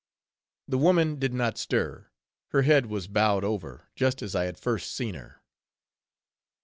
The woman did not stir; her head was bowed over, just as I had first seen her.